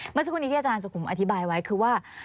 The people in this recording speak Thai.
เมื่อสักครู่นี้ที่อาจารย์สุขุมอธิบายไว้คือว่า